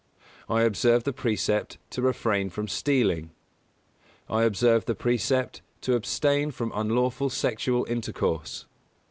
I observe the precept to refrain from stealing. I observe the precept to abstain from unlawful sexual intercourse.